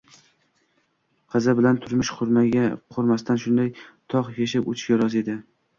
Qizi bilan turmush qurmasdan shunday toq yashab o`tishga rozi edi